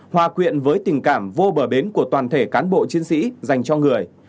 hòa quyện với tình cảm vô bờ bến của toàn thể cán bộ chiến sĩ dành cho người